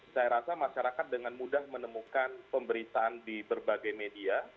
saya rasa masyarakat dengan mudah menemukan pemberitaan di berbagai media